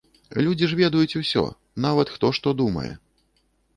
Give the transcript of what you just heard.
Людзі ж ведаюць усё, нават хто што думае.